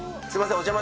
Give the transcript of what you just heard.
すいません。